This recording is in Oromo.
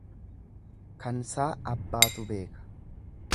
Kansaa abbaatu beeka.